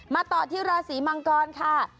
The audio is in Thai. ต่อที่ราศีมังกรค่ะ